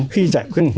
khi giải quyết